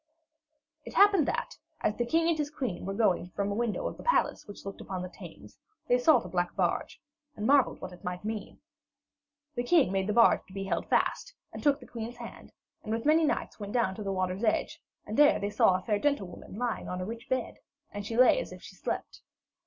It happened that, as the king and his queen were looking from a window of the palace which looked upon the Thames, they saw the black barge, and marvelled what it might mean. The king made the barge to be held fast, and took the queen's hand, and with many knights went down to the water's edge, and there they saw a fair gentlewoman lying on a rich bed, and she lay as if she slept.